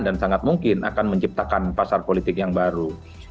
dan sangat mungkin akan menciptakan pasar politik yang baru